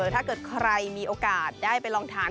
ถ้าเกิดใครมีโอกาสได้ไปลองทาน